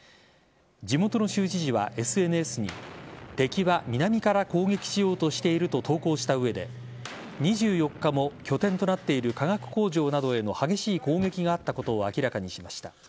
地元の州知事はＳＮＳに敵は南から攻撃しようとしていると投稿した上で２４日も拠点となっている化学工場などへの激しい攻撃があったことを明らかにしました。